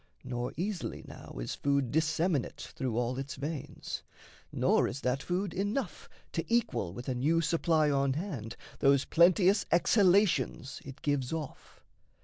Nor easily now is food disseminate Through all its veins; nor is that food enough To equal with a new supply on hand Those plenteous exhalations it gives off.